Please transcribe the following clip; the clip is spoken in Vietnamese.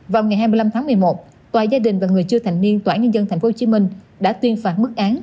vào ngày hai mươi năm tháng một mươi một tòa gia đình và người chưa thành niên tòa án nhân dân tp hcm đã tuyên phạt mức án